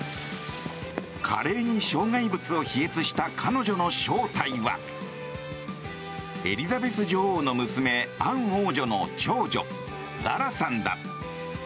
華麗に障害物を飛越した彼女の正体はエリザベス女王の娘アン王女の長女ザラさんだ。